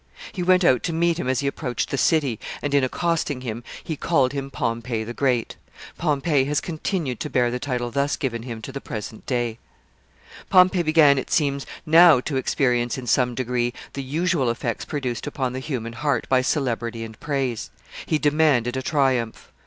He went out to meet him as he approached the city, and, in accosting him, he called him Pompey the Great. Pompey has continued to bear the title thus given him to the present day. [Sidenote: He demands a triumph.] Pompey began, it seems, now to experience, in some degree, the usual effects produced upon the human heart by celebrity and praise. He demanded a triumph.